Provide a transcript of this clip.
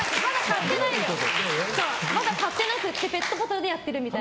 まだ買ってなくってペットボトルでやってるみたいな。